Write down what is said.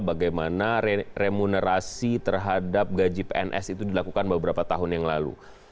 bagaimana remunerasi terhadap gaji pns itu dilakukan beberapa tahun yang lalu